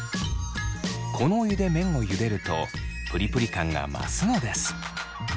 このお湯で麺をゆでるとプリプリ感が増すのです。